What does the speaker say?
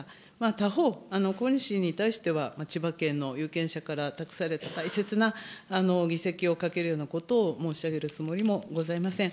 他方、小西議員に対しては、千葉県の有権者から託された大切な議席をかけるようなことを申し上げるつもりもございません。